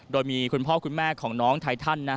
โดยมีคุณพ่อคุณแม่ของน้องไททัน